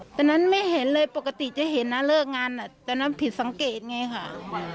ตอนนั้นไม่เห็นเลยปกติจะเห็นนะเลิกงานตอนนั้นผิดสังเกตไงค่ะ